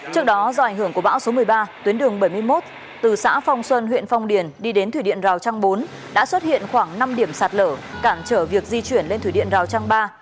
trước đó do ảnh hưởng của bão số một mươi ba tuyến đường bảy mươi một từ xã phong xuân huyện phong điền đi đến thủy điện rào trăng bốn đã xuất hiện khoảng năm điểm sạt lở cản trở việc di chuyển lên thủy điện rào trang ba